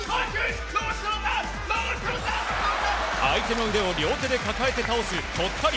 相手の腕を両手で抱えて倒すとったり。